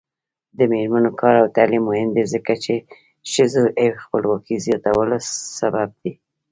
د میرمنو کار او تعلیم مهم دی ځکه چې ښځو خپلواکۍ زیاتولو سبب دی.